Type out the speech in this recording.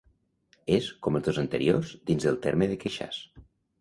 És, com els dos anteriors, dins del terme de Queixàs.